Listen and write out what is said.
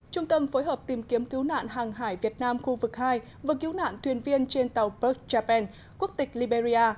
trung tâm phối hợp tìm kiếm cứu nạn hàng hải việt nam khu vực hai vừa cứu nạn thuyền viên trên tàu berg japen quốc tịch liberia